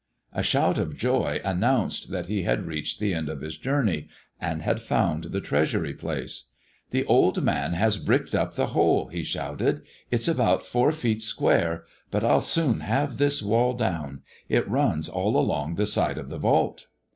A shout of joy announced that he had reached the end of his journey, and had found the treasure place. "The old man has bricked up the hole^" he shouted, "it's about four feet square ; but I'll soon have this wall down. ' it runs all along the side of the vault."